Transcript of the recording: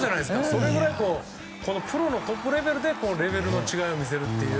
それぐらいプロのトップレベルでレベルの違いを見せるという。